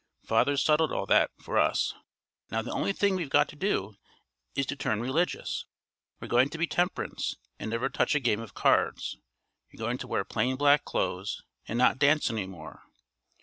Father's settled all that for us. Now the only thing we've got to do is to turn religious. We're going to be temp'rance, and never touch a game of cards. You're going to wear plain black clothes and not dance any more.